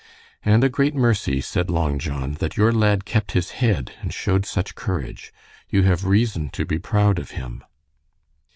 "And a great mercy," said Long John, "that your lad kept his head and showed such courage. You have reason to be proud of him."